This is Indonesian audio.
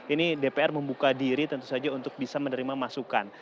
ini dpr membuka diri tentu saja untuk bisa menerima masukan